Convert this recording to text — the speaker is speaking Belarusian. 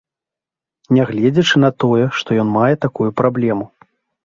Нягледзячы на тое, што ён мае такую праблему.